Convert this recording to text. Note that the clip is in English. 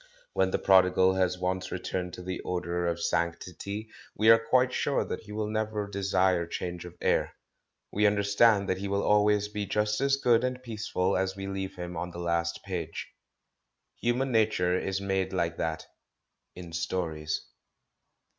When the prodigal has once returned to the odour of sanc tity we are quite sure that he will never desire change of air ; we understand that he will always be just as good and peaceful as we leave him on the last page. Human nature is m^de like that — in stories.